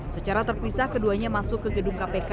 secara terpisah keduanya masuk ke gedung kpk